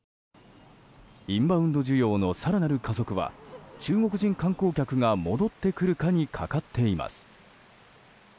インバウンド需要の更なる加速は中国人観光客が戻ってくるかにかかっています。